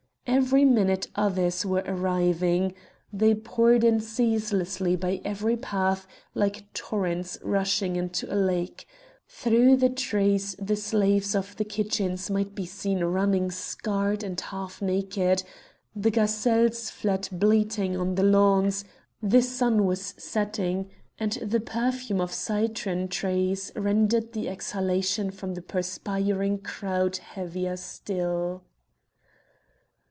Every minute others were arriving. They poured in ceaselessly by every path like torrents rushing into a lake; through the trees the slaves of the kitchens might be seen running scared and half naked; the gazelles fled bleating on the lawns; the sun was setting, and the perfume of citron trees rendered the exhalation from the perspiring crowd heavier still.